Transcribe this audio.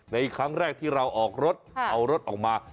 ในครั้งแรกที่เราออกรถเอารถออกมา